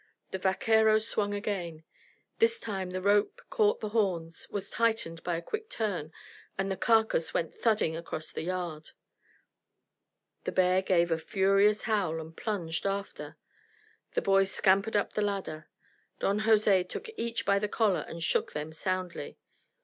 The vaquero swung again. This time the rope caught the horns, was tightened by a quick turn, and the carcass went thudding across the yard. The bear gave a furious howl and plunged after. The boys scampered up the ladder. Don Jose took each by the collar and shook them soundly.